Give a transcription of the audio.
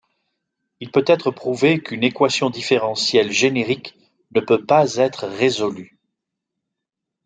Il peut être prouvé qu'une équation différentielle générique ne peut pas être résolue.